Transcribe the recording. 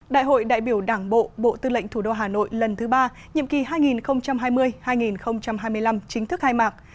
đại hội đại biểu đảng bộ bộ tư lệnh thủ đô hà nội lần thứ ba nhiệm kỳ hai nghìn hai mươi hai nghìn hai mươi năm chính thức khai mạc